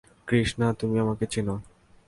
কৃষ্ণা, তুমি আমাকে চিনো।